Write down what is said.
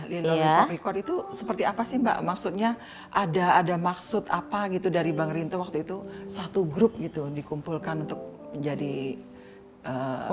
di luar record itu seperti apa sih mbak maksudnya ada ada maksud apa gitu dari bang rinto waktu itu satu grup gitu dikumpulkan untuk menjadi